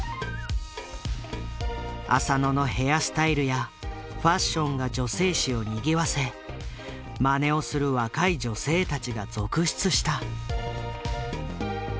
浅野のヘアスタイルやファッションが女性誌をにぎわせまねをする若い女性たちが続出した。